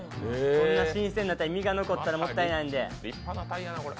こんな新鮮な鯛、身が残ったらもったいないんで。